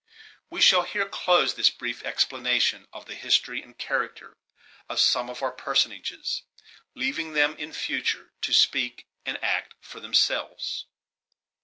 We shall here close this brief explanation of the history and character of some of our personages leaving them in future to speak and act for themselves.